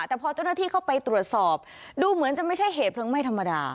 แต่พอเจ้าหน้าที่เข้าไปตรวจสอบดูเหมือนจะไม่ใช่เหตุเพลิงไหม้ธรรมดา